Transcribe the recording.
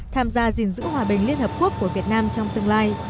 tham gia gìn giữ hòa bình liên hợp quốc của việt nam trong tương lai